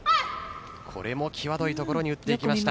これも際どい所に打っていきました。